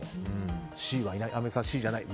Ｃはいない。